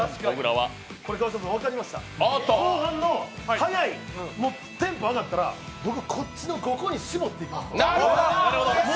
これ、分かりました後半の速い、テンポ上がったら僕、こっちの５個にしぼっていきます。